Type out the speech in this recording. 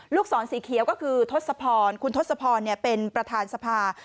ศรสีเขียวก็คือทศพรคุณทศพรเป็นประธานสภา